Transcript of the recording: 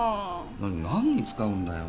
何に使うんだよ？